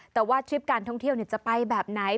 แต่ว่าทริปการท่องเที่ยวจะไปแบบไหน